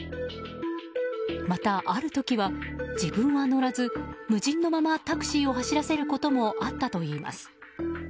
また、ある時は自分は乗らず無人のままタクシーを走らせることもあったといいます。